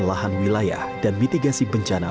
lahan wilayah dan mitigasi bencana